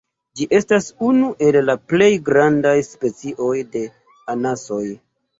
Ĝi estas unu el la plej grandaj specioj de anasoj.